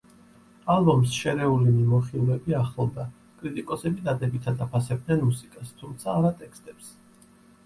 ალბომს შერეული მიმოხილვები ახლდა, კრიტიკოსები დადებითად აფასებდნენ მუსიკას, თუმცა არა ტექსტებს.